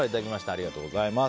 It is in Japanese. ありがとうございます。